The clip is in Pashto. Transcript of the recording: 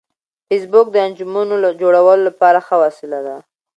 فېسبوک د انجمنونو جوړولو لپاره ښه وسیله ده